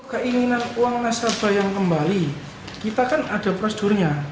keinginan uang nasabah yang kembali kita kan ada prosedurnya